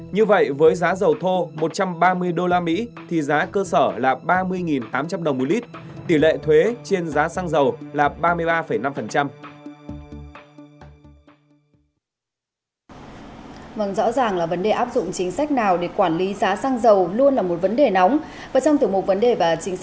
như vậy với giá dầu thô một trăm ba mươi usd thì giá cơ sở là ba mươi tám trăm linh đồng một lít